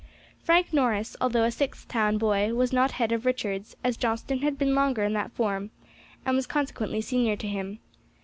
Frank Norris, although a Sixth town boy, was not head of Richards', as Johnstone had been longer in that form, and was consequently senior to him.